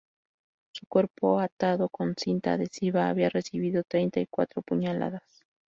Su cuerpo atado con cinta adhesiva había recibido treinta y cuatro puñaladas.